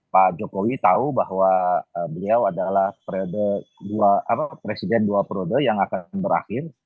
pak jokowi tahu bahwa beliau adalah presiden dua periode yang akan berakhir